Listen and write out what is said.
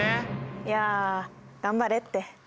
いや頑張れって。